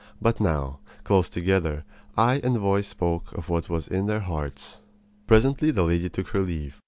But now, close together, eye and voice spoke of what was in their hearts. Presently the lady took her leave.